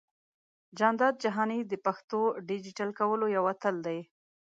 جانداد جهاني د پښتو ډىجيټل کولو يو اتل دى.